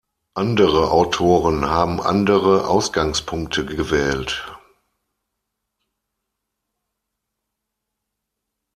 Andere Autoren haben andere Ausgangspunkte gewählt.